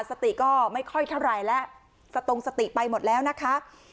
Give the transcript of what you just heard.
สติก็ไม่ค่อยเท่าไหร่แล้วสตงสติไปหมดแล้วนะคะ